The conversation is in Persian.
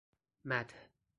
مدح